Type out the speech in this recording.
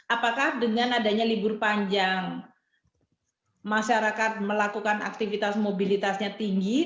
apakah dengan adanya libur panjang masyarakat melakukan aktivitas mobilitasnya tinggi